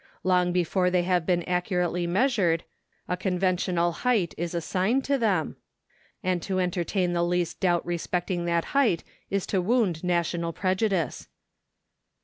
Long before they have been accurately measured, a conventional height is assigned to them, and to entertain the least doubt respecting that height is to wound national prejudice.